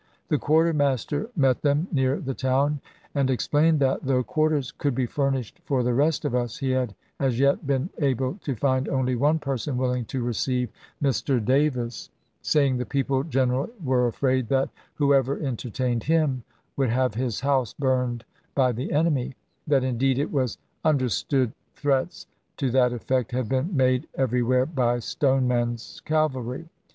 The quartermaster met them near the town and "explained that, though quarters could be furnished for the rest of us, he had as yet been able to find only one person willing to receive Mr. Davis, saying the people generally were afraid that whoever entertained him would have his house burned by the enemy ; that, indeed, it was under stood threats to that effect had been made every where by Stoneman's cavalry.